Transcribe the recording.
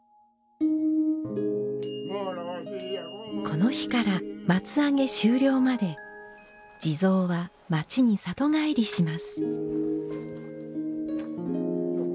この日から松上げ終了まで地蔵は町に里帰りします。